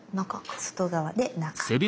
外側で中。